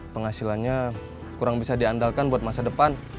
penghasilannya kurang bisa diandalkan buat masa depan